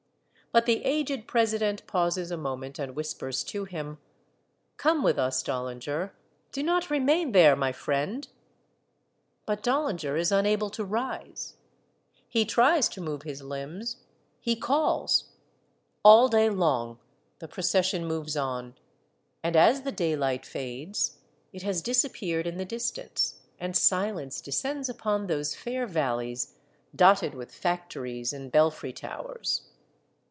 But the aged president pauses a moment, and whispers to him, —'* Come with us, Dollinger. Do not remain there, my friend !" But Dollinger is unable to rise. He tries to move his limbs ; he calls. All day long the procession moves on ; and as the daylight fades, it has disap peared in the distance, and silence descends upon those fair valleys dotted with factories and belfry towers.